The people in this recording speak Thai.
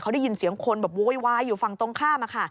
เขาได้ยินเสียงคนบวกวายอยู่ฝั่งตรงข้าง